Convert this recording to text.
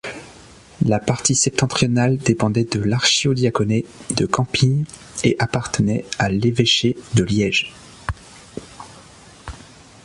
La partie septentrionale dépendait de l'archidiaconé de Campine et appartenait à l'évêché de Liège.